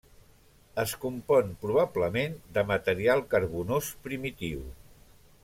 Es compon probablement de material carbonós primitiu.